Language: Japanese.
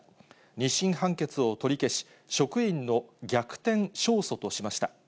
２審判決を取り消し、職員の逆転勝訴としました。